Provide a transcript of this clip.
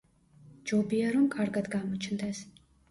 ჯობია, რომ კარგად გამოჩნდეს.